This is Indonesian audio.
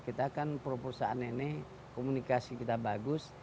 kita kan perusahaan ini komunikasi kita bagus